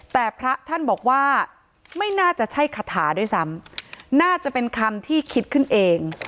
แต่พระท่านบอกว่าไม่น่าจะใช่คาถาด้วยซ้ำน่าจะเป็นคำที่คิดขึ้นเอง